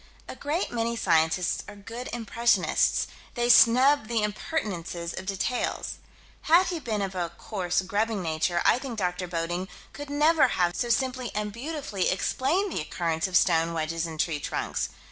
A great many scientists are good impressionists: they snub the impertinences of details. Had he been of a coarse, grubbing nature, I think Dr. Bodding could never have so simply and beautifully explained the occurrence of stone wedges in tree trunks.